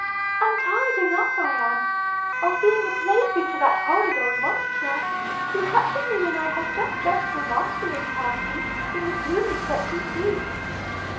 "And tired enough I am, of being a plaything for that horrid old monster, who captured me when I had just dressed for a masquerade party, in the plumage that you see.